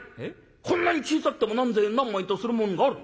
こんなに小さくても何千円何万円とするもんがある」。